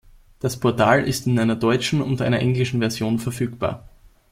Das Portal ist in einer deutschen und einer englischen Version verfügbar.